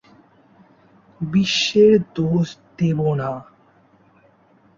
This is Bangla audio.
বিশ্বের দোষ দেব না।